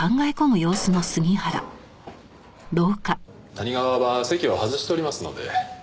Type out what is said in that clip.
谷川は席を外しておりますので。